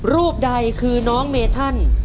รูปใดคือน้องเมธัน